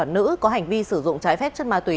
nữ có hành vi sử dụng trái phép chất ma túy